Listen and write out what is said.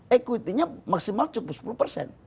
equity nya maksimal cukup sepuluh persen